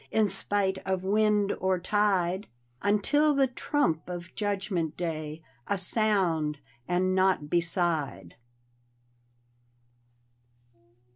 In spite of wind or tide. Until the trump of Judgment Day — A sound — and nau^t beside.